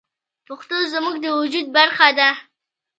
پښتو زموږ د وجود برخه ده.